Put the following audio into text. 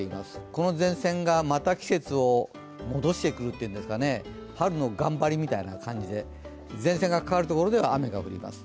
この前線が季節をまた戻してくるというんですかね、春の頑張りみたいな感じで前線がかかるところでは雨が降ります。